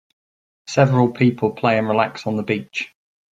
Several people play and relax on the beach.